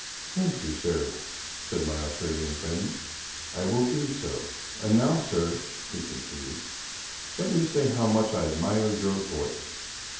" Thank you, sir," said my Australian friend, " I will do so. And now, sir," he continued, " let me say how much I admire your voice.